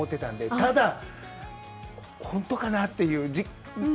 ただ、本当かなという。